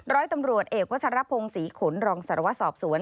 ร้อยตำรวจเอกวชารพงศ์ศรีขนรองศรวสอบสวน